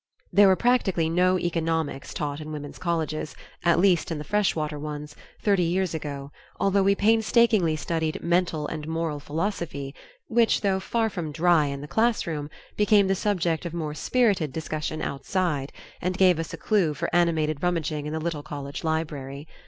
There were practically no Economics taught in women's colleges at least in the fresh water ones thirty years ago, although we painstakingly studied "Mental" and "Moral" Philosophy, which, though far from dry in the classroom, became the subject of more spirited discussion outside, and gave us a clew for animated rummaging in the little college library.